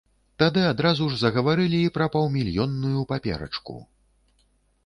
Тады адразу ж загаварылі і пра паўмільённую паперачку.